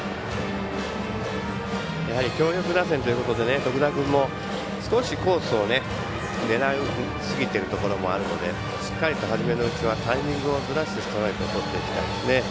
強力打線ということで徳田君も少しコースを狙いすぎてるところもあるのでしっかりと初めのうちはタイミングをずらしてストライクをとっていきたいですね。